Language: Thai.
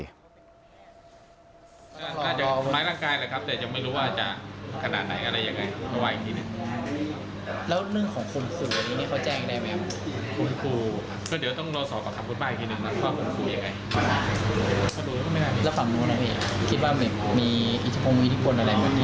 ก็เดี๋ยวก็ต้องรอฟังทางฝั่งของสองแม่ลูกเขานะว่าเขาจะชี้แจ้งข้อกล่าวหายังไง